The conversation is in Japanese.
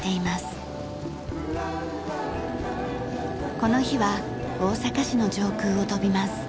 この日は大阪市の上空を飛びます。